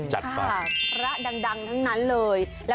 โอเคโอเคโอเค